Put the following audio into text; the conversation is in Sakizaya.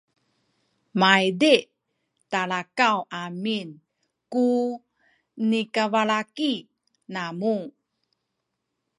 maydih talakaw amin ku nikabalaki namu